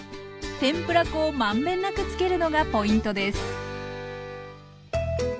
天ぷら粉を満遍なくつけるのがポイントです。